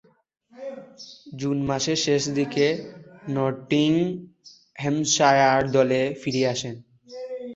June মাসের শেষদিকে Nottinghamshire দলে ফিরে আসেন।